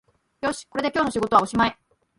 よし、これで今日の仕事はおしまい